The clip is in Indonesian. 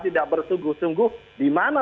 tidak bersungguh sungguh di mana